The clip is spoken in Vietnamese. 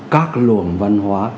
các luồng văn hóa